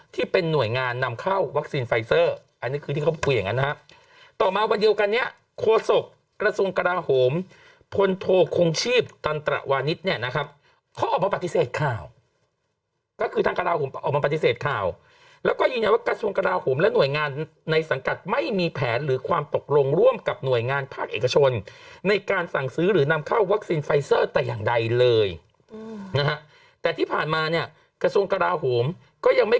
ต่อมาวันเดียวกันเนี่ยโฆษกกระทรวงกราโหมพลโทคงชีพตันตะวานิทเนี่ยนะครับเขาออกมาปฏิเสธข่าวก็คือทางกราโหมออกมาปฏิเสธข่าวแล้วก็ยืนยังว่ากระทรวงกราโหมและหน่วยงานในสังกัดไม่มีแผนหรือความตกลงร่วมกับหน่วยงานภาคเอกชนในการสั่งซื้อหรือนำเข้าวัคซินไฟเซอร์แต่อย่างใด